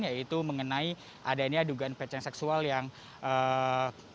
yaitu mengenai adanya adugaan pecah seksual yang terjadi di kampung jawa